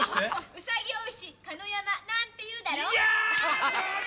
うさぎ追いしかの山なんて言うだろ。